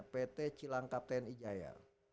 pt cilang kapten ijaya